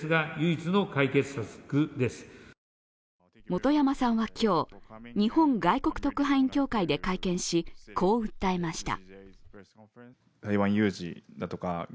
元山さんは今日、日本外国特派員協会で会見し、こう訴えました。